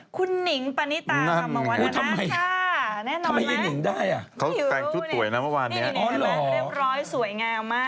คุณหนิงปณิตาคำมวดนักภาพค่ะแน่นอนไหมไม่รู้นี่เห็นไหมเรียบร้อยสวยงามมาก